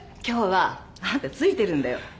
今日はあんたついてるんだよ。